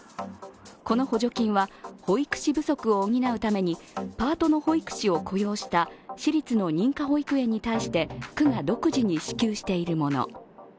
この補助金は保育士不足を補うためにパートの保育士を雇用した私立の認可保育園に対して区が独自に支給しているもの。